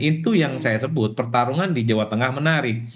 itu yang saya sebut pertarungan di jawa tengah menarik